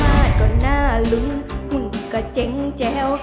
มาดก็หน้าลุ้มหุ้นก็เจ๋งแจ้ว